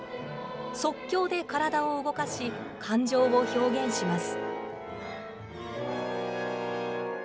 即興で体を動かし、感情を表現します。